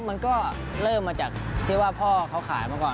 มันก็เริ่มมาจากเขาขายเพราะปล่อย